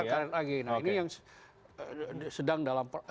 nah ini yang sedang